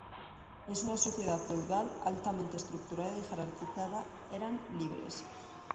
En una sociedad feudal altamente estructurada y jerarquizada, eran "libres".